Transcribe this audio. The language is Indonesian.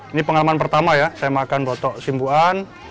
ini pengalaman pertama ya saya makan botok simbuan